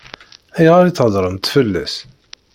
Ayɣer i theddṛemt fell-as?